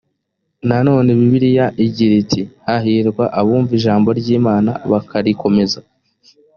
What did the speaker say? nanone bibiliya igira iti hahirwa abumva ijambo ry imana bakarikomeza